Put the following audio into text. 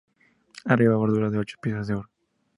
Arriba, bordura de ocho piezas de oro.